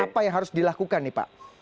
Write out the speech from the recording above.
apa yang harus dilakukan nih pak